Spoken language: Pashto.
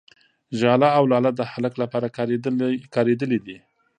، ژاله او لاله د هلک لپاره کارېدلي دي.